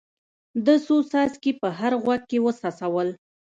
ده څو څاڅکي په هر غوږ کې وڅڅول.